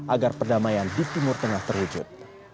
agar perdamaian di timur tengah terwujud